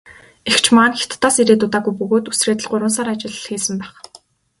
Эгч маань Хятадаас ирээд удаагүй бөгөөд үсрээд л гурван сар ажил хийсэн байх.